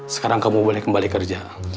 sekarang kamu boleh kembali kerja